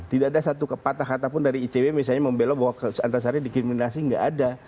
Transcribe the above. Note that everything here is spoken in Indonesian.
tidak ada satu patah katapun dari icw misalnya membela bahwa antasari dikriminalisasi nggak ada